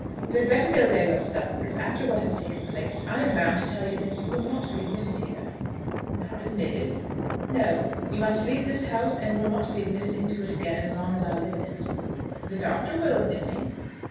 You had better go there yourself, because after what has taken place, I am bound to tell you that you will not be admitted here." "Not admitted?" "No. You must leave this house, and will not be admitted into it again as long as I live in it." "The Doctor will admit me."